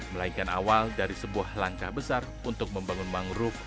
melainkan awal dari sebuah langkah besar untuk membangun mangrove